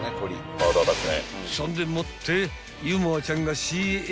［そんでもって］